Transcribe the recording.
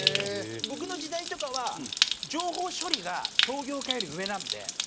僕の時代とかは情報処理が商業科より上なんで。